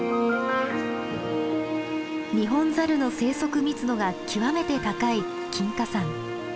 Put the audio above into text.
ニホンザルの生息密度が極めて高い金華山。